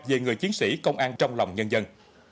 về người chiến sĩ công an trong lòng nhân dân